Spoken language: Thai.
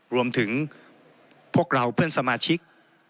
รวมถึงพวกเราเพื่อนสมาชิก